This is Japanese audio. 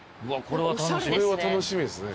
これは楽しみですね。